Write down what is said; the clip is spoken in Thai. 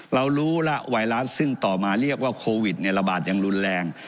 เรารู้แล้วไวรัสซึ่งต่อมาเรียกว่าโควิดระบาดอย่างรุนแรง